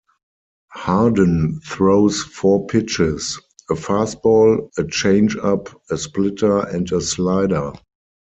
Harden throws four pitches, a fastball a changeup, a splitter, and a slider.